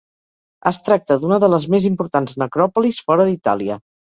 Es tracta d'una de les més importants necròpolis fora d'Itàlia.